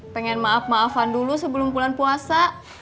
mau maaf maaf dulu sebelum pulang puasa